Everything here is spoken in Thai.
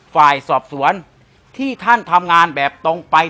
ฝ่ายสอบสวนที่ท่านทำงานแบบตรงไป